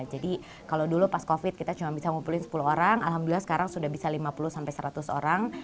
jadi kalau dulu pas covid kita cuma bisa ngumpulin sepuluh orang alhamdulillah sekarang sudah bisa lima puluh seratus orang